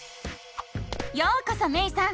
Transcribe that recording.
ようこそめいさん！